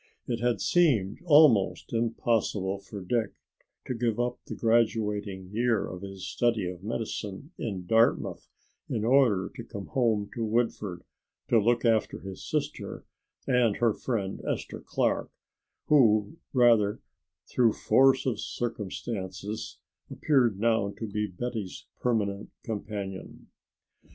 It had seemed almost impossible for Dick to give up the graduating year of his study of medicine in Dartmouth in order to come home to Woodford to look after his sister and her friend, Esther Clark, who rather, through force of circumstances, appeared now to be Betty's permanent companion.